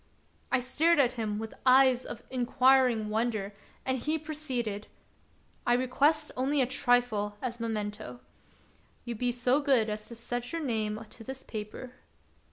I stared at him with eyes of inquiring wonder, and he proceeded :" I request 58 The Wonderful History only a trifle as memento. You be so good as to set your name to this paper."